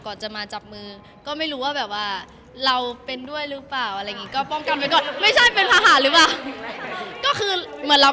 ก่อนจะมาจับมือก็ไม่รู้ว่าแบบว่าเราเป็นด้วยหรือเปล่าอะไรอย่างเงี้ย